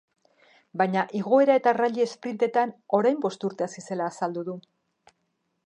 Baina igoera eta rally sprint-etan orain bost urte hasi zela azaldu du.